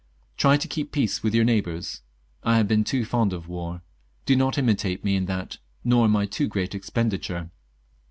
Try to keep peace with your neighbours ; I have been too fond of war, do not imitate me in that, nor in my too great expenditure."